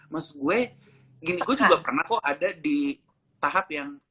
maksud gue gini gue juga pernah kok ada di tahap yang